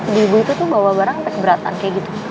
ibu ibu itu tuh bawa barang keberatan kayak gitu